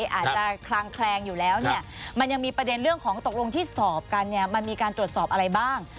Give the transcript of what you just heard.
ซึ่งนักกฎหมายอาจจะคลังแคลงอยู่แล้วมันยังมีประเด็นเรื่องของตกลงที่สอบกันมันมีการตรวจสอบอะไรบ้าง